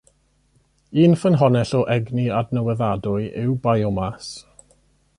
Un ffynhonnell o egni adnewyddadwy yw biomas.